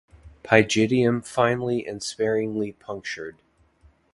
Pygidium finely and sparingly punctured.